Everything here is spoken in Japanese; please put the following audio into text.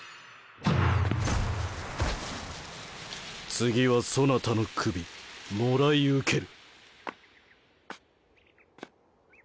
次はそなたの首もらい受ける。